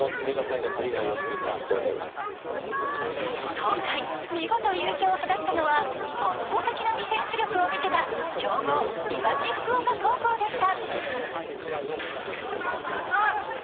今回、見事優勝を果たしたのは、圧倒的なディフェンス力を見せた強豪・東福岡高校でした。